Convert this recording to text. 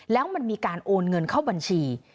แล้วมันมีการโอนเงินเข้าบัญชี